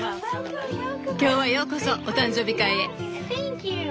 今日はようこそお誕生日会へ。